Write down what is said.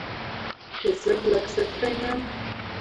یہ سب لکھ سکتے ہیں؟